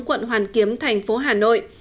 quận hoàn kiếm tp hà nội